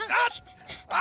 あ！